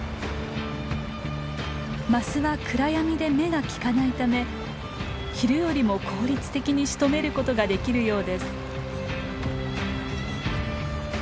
マスは暗闇で目が利かないため昼よりも効率的にしとめることができるようです。